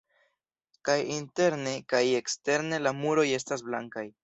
Kaj interne kaj ekstere la muroj estas blankaj.